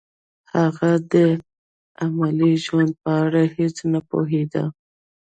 هغه د عملي ژوند په اړه هیڅ نه پوهېده